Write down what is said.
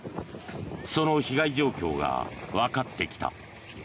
その被害状況がわかってきた。